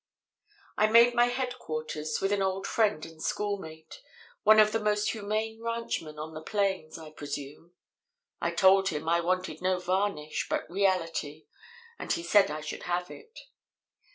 "I made my headquarters with an old friend and schoolmate one of the most humane ranchmen on the plains, I presume. I told him I wanted no varnish, but reality; and he said I should have it.